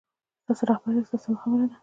تاسو رهبر یاست دا سمه خبره ده.